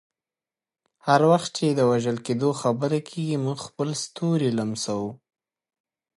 هر وخت چې د وژل کیدو خبره کیږي، موږ خپل ستوري لمسوو.